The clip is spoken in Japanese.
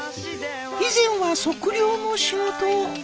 以前は測量の仕事を。